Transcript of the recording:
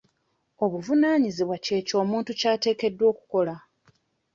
Obuvunaanyizibwa ky'eyo omuntu ky'ateekeddwa okukola.